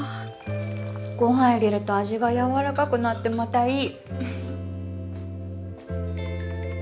ご飯入れると味がやわらかくなってまたいい！